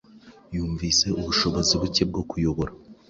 Yumvise ubushobozi buke bwo kuyobora